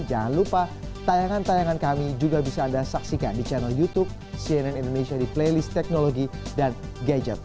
jangan lupa tayangan tayangan kami juga bisa anda saksikan di channel youtube cnn indonesia di playlist teknologi dan gadget